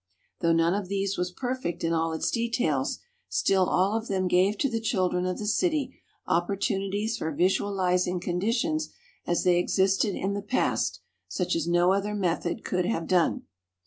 Though none of these was perfect in all its details, still all of them gave to the children of the city opportunities for visualizing conditions as they existed in the past such as no other method could have done.